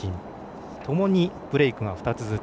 ともにブレークが２つずつ。